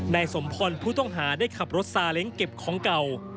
นายสมพรผู้ต้องหาได้ขับรถซาเล้งเก็บของเก่า